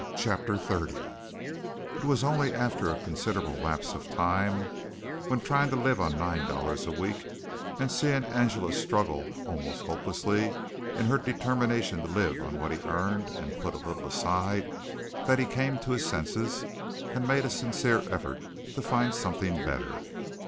CHAPTER XXX It was only after a considerable lapse of time, when trying to live on nine dollars a week and seeing Angela struggle almost hopelessly in her determination to live on what he earned and put a little aside, that he came to his senses and made a sincere effort to find something better.